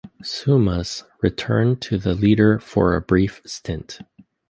Seumas returned to the "Leader" for a brief stint.